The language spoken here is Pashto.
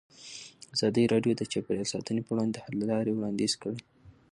ازادي راډیو د چاپیریال ساتنه پر وړاندې د حل لارې وړاندې کړي.